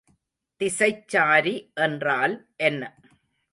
திசைச்சாரி என்றால் என்ன?